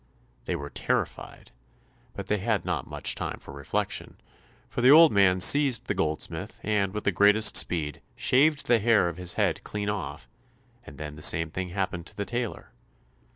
They were terrified, but they had not much time for reflection, for the old man seized the goldsmith and with the greatest speed, shaved the hair of his head clean off, and then the same thing happened to the tailor.